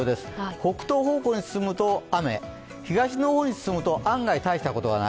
北東方向に進むと雨、東の方に進むと案外大したことない。